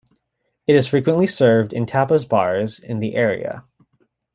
It is frequently served in tapas bars in the area.